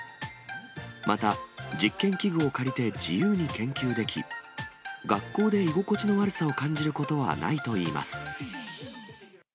また実験器具を借りて自由に研究でき、学校で居心地の悪さを感じることはないといいます。